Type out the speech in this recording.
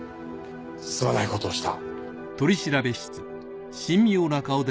すまないことをした。